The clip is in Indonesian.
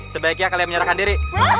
sebaiknya kalian menyerahkan diri